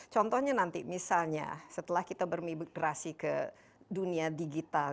contohnya nanti misalnya setelah kita bermigrasi ke dunia digital